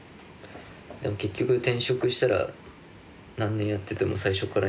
でも結局転職したら何年やってても最初からにはなるからね。